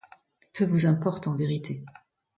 Peu vous importe, en vérité !